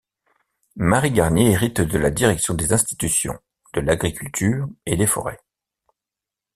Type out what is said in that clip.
Marie Garnier hérite de la Direction des Institutions, de l’Agriculture et des Forêts.